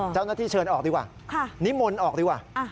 เจ้าหน้าที่เชิญออกดีกว่านิมนต์ออกดีกว่า